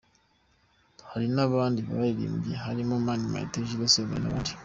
Hari n’abandi baririmbye barimo Mani Martin, Jules Sentore n’abandi.